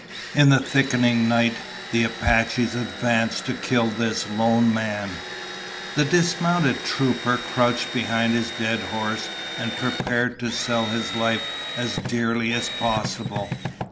In the thickening night, the Apaches advanced to kill this lone man. The dismounted trooper crouched behind his dead horse and prepared to sell his life as dearly as possible.